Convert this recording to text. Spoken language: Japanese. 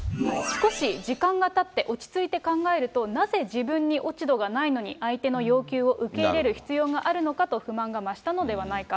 少し時間がたって、落ち着いて考えると、なぜ自分に落ち度がないのに、相手の要求を受け入れる必要があるのかと、不満が増したのではないか。